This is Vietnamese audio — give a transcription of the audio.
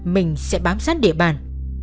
mình sẽ bám sát địa bàn